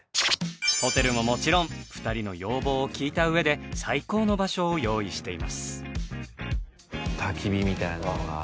ホテルももちろん２人の要望を聞いた上で最高の場所を用意しています。